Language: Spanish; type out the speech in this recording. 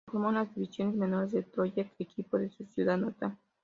Se formó en las divisiones menores del Troyes, equipo de su ciudad natal.